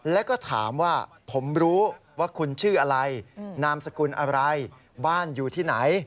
แล้วก็ถามว่าผมรู้ว่าคุณชื่ออะไรนามสกุลอะไรบ้านอยู่ที่ไหน